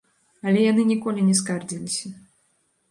Але яны ніколі не скардзіліся.